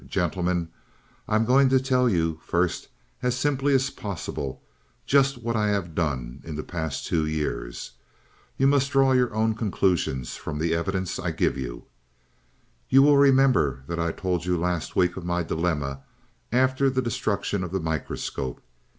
"Gentlemen, I am going to tell you, first, as simply as possible, just what I have done in the past two years. You must draw your own conclusions from the evidence I give you. "You will remember that I told you last week of my dilemma after the destruction of the microscope.